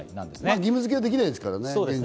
義務付けはできないですもんね。